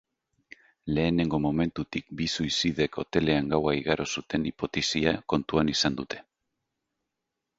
Lehenengo momentutik bi suizidek hotelean gaua igaro zuten hipotesia kontuan izan dute.